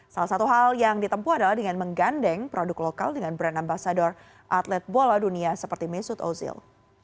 salah satu hal yang ditempu adalah dengan menggandeng produk lokal dengan brand ambasador atlet bola dunia seperti mesut ozil